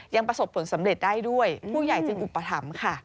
ยังประสบผลสำเร็จได้ด้วยผู้ใหญ่จึงอุปถัมภ์ค่ะ